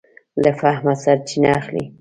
له فهمه سرچینه اخلي.